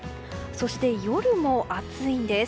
そして夜も暑いんです。